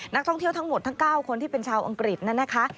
นักท่องเที่ยวทั้งหมดทั้ง๙คนที่เป็นชาวอังกฤษนั่นนะคะ